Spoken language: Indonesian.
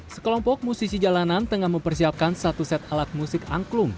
sekelompok musisi jalanan tengah mempersiapkan satu set alat musik angklung